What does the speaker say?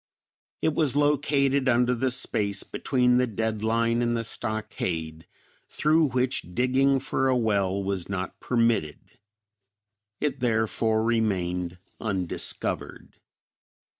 It was located under the space between the dead line and the stockade, through which digging for a well was not permitted; it therefore remained undiscovered.